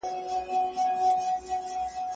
زه ونې ته اوبه نه ورکوم.